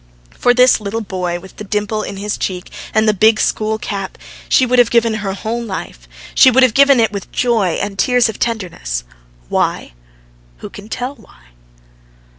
For this little boy with the dimple in his cheek and the big school cap, she would have given her whole life, she would have given it with joy and tears of tenderness. Why? Who can tell why?